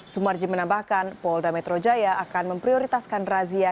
sumarji menambahkan polda metro jaya akan memprioritaskan razia